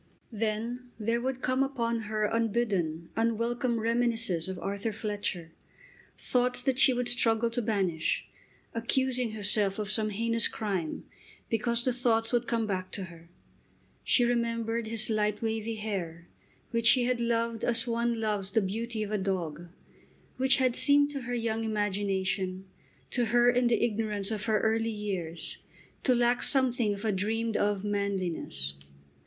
Then there would come upon her unbidden, unwelcome reminiscences of Arthur Fletcher, thoughts that she would struggle to banish, accusing herself of some heinous crime because the thoughts would come back to her. She remembered his light wavy hair, which she had loved as one loves the beauty of a dog, which had seemed to her young imagination, to her in the ignorance of her early years, to lack something of a dreamed of manliness.